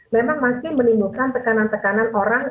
memang masih menimbulkan tekanan tekanan orang